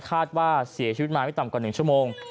คาดว่าเสียชีวิตมาไม่ต่ำกว่า๑ชั่วโมง